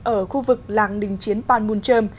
ở khu vực làng đình chiến ban mun trơm